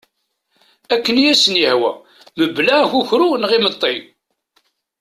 Akken i asen-yehwa mebla akukru neɣ imeṭi.